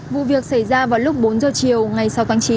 vụ việc xảy ra vào lúc bốn giờ chiều ngày sáu tháng chín